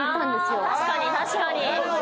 あ確かに確かに。